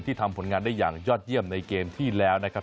ทำผลงานได้อย่างยอดเยี่ยมในเกมที่แล้วนะครับ